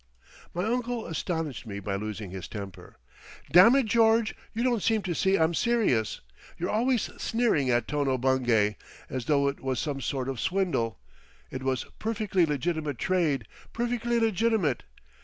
My uncle astonished me by losing his temper. "Damn it. George, you don't seem to see I'm serious! You're always sneering at Tono Bungay! As though it was some sort of swindle. It was perfec'ly legitimate trade, perfec'ly legitimate.